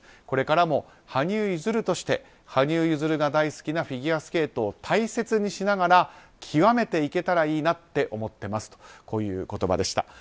これからも羽生結弦として羽生結弦が大好きなフィギュアスケートを大切にしながら極めていけたらいいなって思っていますという言葉でした。